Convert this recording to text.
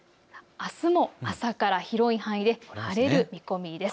あすも朝から広い範囲で晴れる見込みです。